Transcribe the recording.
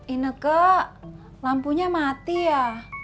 ini ke lampunya mati ya